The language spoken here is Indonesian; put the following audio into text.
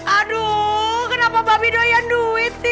aduh kenapa babi doyan duit sih